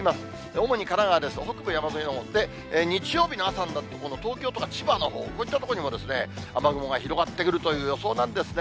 主に神奈川です、北部山沿いのほうで、日曜日の朝になって、東京とか千葉のほう、こういった所にも雨雲が広がってくるという予想なんですね。